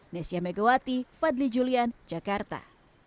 nesya megawati fadli julian jakarta